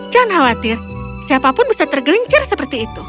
jangan khawatir siapa pun bisa tergelincir seperti itu